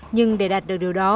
nhưng để đạt được điều đó